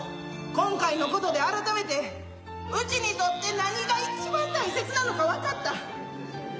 今回のことで改めてうちにとって何がいちばん大切なのか分かった。